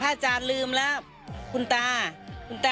ปัจจารย์ยับคำนาฬิกษะ